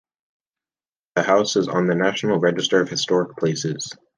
The house is on the National Register of Historic Places.